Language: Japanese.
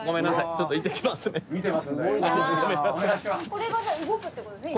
これがじゃあ動くってことですね。